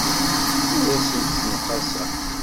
Ur asen-d-ssenqaseɣ.